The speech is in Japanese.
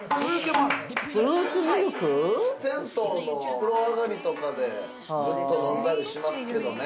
◆銭湯の風呂上がりとかで飲んだりしますけどね。